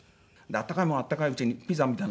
温かいものは温かいうちにピザみたいなもの食べて。